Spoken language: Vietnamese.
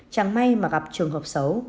chẳng may mà gặp trường hợp xấu